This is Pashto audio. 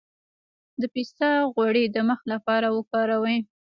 د پسته غوړي د مخ لپاره وکاروئ